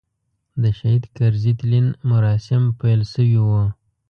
د شهید کرزي تلین مراسیم پیل شوي و.